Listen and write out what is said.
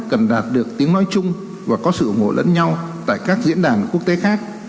cần đạt được tiếng nói chung và có sự ủng hộ lẫn nhau tại các diễn đàn quốc tế khác